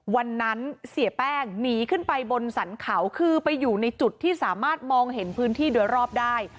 วันนั้นเสียแป้งหนีขึ้นไปบนสรรเขาคือไปอยู่ในจุดที่สามารถมองเห็นพื้นที่โดยรอบได้